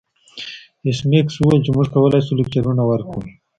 ایس میکس وویل چې موږ کولی شو لکچرونه ورکړو